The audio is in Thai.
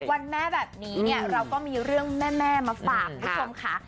วันแม่แบบนี้เนี่ยเราก็มีเรื่องแม่มาฝากคุณผู้ชมค่ะ